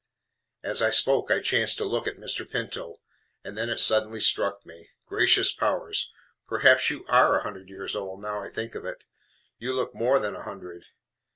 As I spoke I chanced to look at Mr. Pinto; and then it suddenly struck me: Gracious powers! Perhaps you ARE a hundred years old, now I think of it. You look more than a hundred.